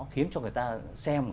khiến cho người ta xem